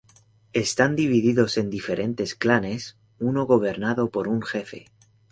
Están divididos en diferentes clanes, uno gobernado por un jefe.